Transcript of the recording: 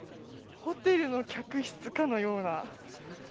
ホテルの客室かのような。